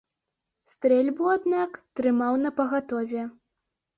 Стрэльбу, аднак, трымаў напагатове.